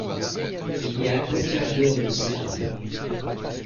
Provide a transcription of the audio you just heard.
Il y a un quart d’heure de ça.